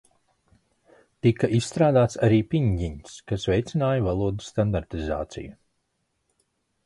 Tika izstrādāts arī piņjiņs, kas veicināja valodas standartizāciju.